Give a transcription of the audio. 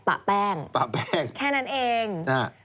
ปะแป้งแค่นั้นเอง